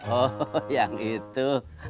oh yang itu